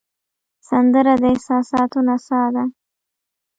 سندره د احساساتو نڅا ده